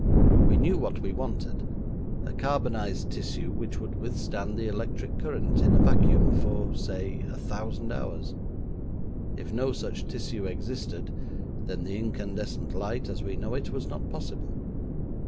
We knew what we wanted; a carbonised tissue, which would withstand the electric current in a vacuum for, say, a thousand hours. If no such tissue existed, then the incandescent light, as we know it, was not possible.